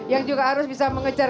yang juga harus bisa mengejar